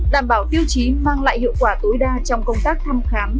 đảm bảo tiêu chí mang lại hiệu quả tối đa trong công tác thăm khám